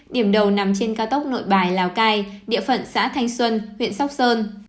điểm đầu nằm trên cao tốc nội bài lào cai địa phận xã thanh xuân huyện sóc sơn